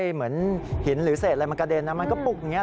เหมือนหินหรือเศษอะไรมันกระเด็นมันก็ปลุกอย่างนี้